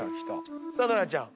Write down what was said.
さあノラちゃん